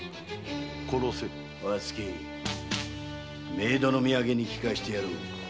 冥土の土産に聞かせてやる。